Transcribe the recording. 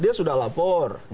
dia sudah lapor